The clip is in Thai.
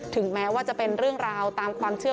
แม้ว่าจะเป็นเรื่องราวตามความเชื่อ